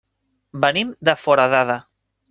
Venim de Foradada.